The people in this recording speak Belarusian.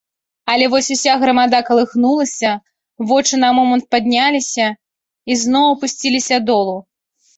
Але вось уся грамада калыхнулася, вочы на момант падняліся і зноў апусціліся долу.